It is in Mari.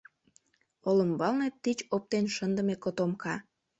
Олымбалне — тич оптен шындыме котомка.